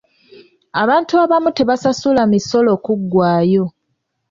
Abantu abamu tebasasula misolo kuggwayo.